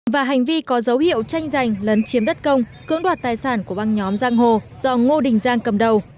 và hành vi có dấu hiệu tranh giành lấn chiếm đất công cưỡng đoạt tài sản của băng nhóm giang hồ do ngô đình giang cầm đầu